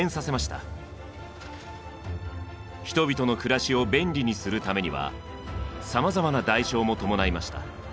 人々の暮らしを便利にするためにはさまざまな代償も伴いました。